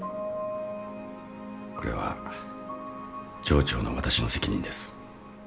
これは上長の私の責任です。